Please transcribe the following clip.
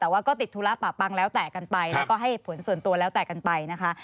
แต่ว่าก็ติดธุระปะปังแล้วแต่กันไปแล้วก็ให้ผลส่วนตัวแล้วแต่กันไปนะคะ